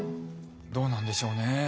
どうなんでしょうね。